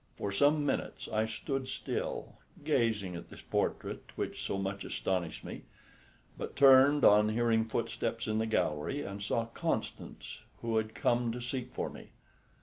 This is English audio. For some minutes I stood still gazing at this portrait which so much astonished me, but turned on hearing footsteps in the gallery, and saw Constance, who had come to seek for me.